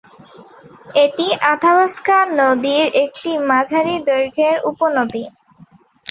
এটি আথাবাস্কা নদীর একটি মাঝারি দৈর্ঘ্যের উপনদী।